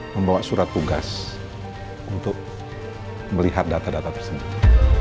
membawa surat tugas untuk melihat data data tersebut